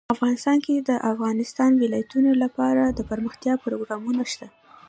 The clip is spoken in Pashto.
افغانستان کې د د افغانستان ولايتونه لپاره دپرمختیا پروګرامونه شته.